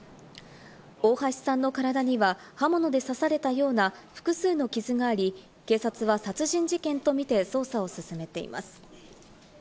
大橋さんの体には刃物で刺されたような複数の傷があり、警察は殺人事件とみて、捜査を進めています。